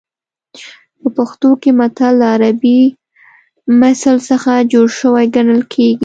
په پښتو کې متل له عربي مثل څخه جوړ شوی ګڼل کېږي